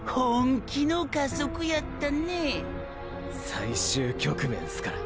最終局面すから。